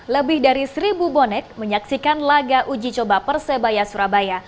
lebih dari seribu bonek menyaksikan laga uji coba persebaya surabaya